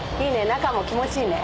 中も気持ちいいね。